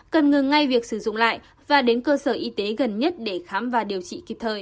cần ngừng ngay việc sử dụng lại và đến cơ sở y tế gần nhất để khám và điều trị kịp thời